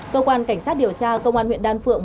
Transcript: cơ quan cảnh sát điều tra công an huyện đan phượng